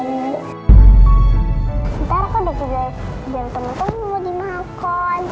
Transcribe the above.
ntar aku udah sudah jam penuh aku mau dimakan